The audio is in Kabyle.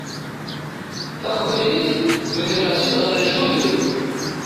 Taqbaylit megreɣ-tt-id ɣer lejdud-iw.